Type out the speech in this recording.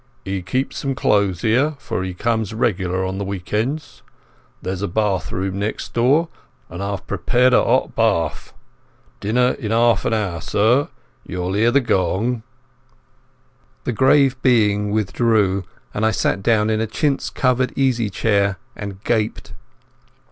"He keeps some clothes 'ere, for he comes regular on the week ends. There's a bathroom next door, and I've prepared a 'ot bath. Dinner in 'alf an hour, sir. You'll 'ear the gong." The grave being withdrew, and I sat down in a chintz covered easy chair and gaped.